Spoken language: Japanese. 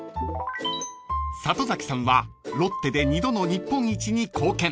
［里崎さんはロッテで２度の日本一に貢献］